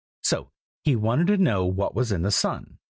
So he wanted to know what was in the sun.